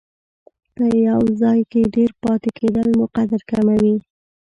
په یو ځای کې ډېر پاتې کېدل مو قدر کموي.